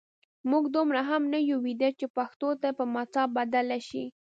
موږ دومره هم نه یو ویده چې پښتو دې په متاع بدله شي.